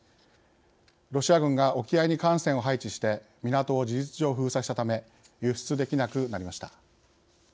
ロシア軍が沖合に艦船を配置して港を事実上封鎖したため輸出できなくなりました。